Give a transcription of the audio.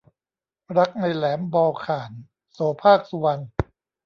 รักในแหลมบอลข่าน - โสภาค สุวรรณ